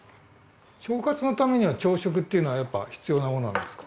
腸活のためには朝食っていうのはやっぱ必要なものなんですか？